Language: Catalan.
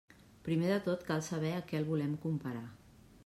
Primer de tot cal saber a què el volem comparar.